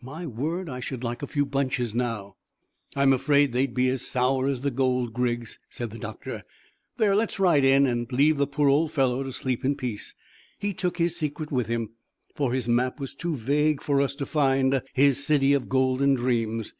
My word, I should like a few bunches now!" "I'm afraid they'll be as sour as the gold, Griggs," said the doctor. "There, let's ride on and leave the poor old fellow to sleep in peace. He took his secret with him, for his map was too vague for us to find his city of golden dreams.